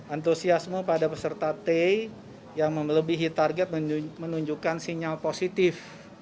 antusiasme pada peserta t yang melebihi target menunjukkan sinyal positif